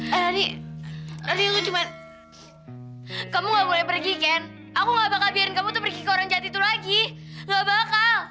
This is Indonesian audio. rani rani aku cuma kamu gak boleh pergi ken aku gak bakal biarin kamu pergi ke orang jati itu lagi gak bakal